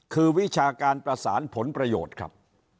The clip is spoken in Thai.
คือวิชาการประสานผลประโยชน์ครับ